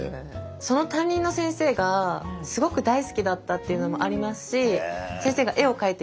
その担任の先生がすごく大好きだったっていうのもありますしへえ。